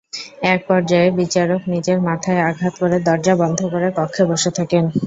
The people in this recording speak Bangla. একপর্যায়ে বিচারক নিজের মাথায় আঘাত করে দরজা বন্ধ করে কক্ষে বসে থাকেন।